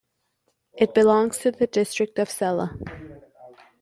It belongs to the district of Celle.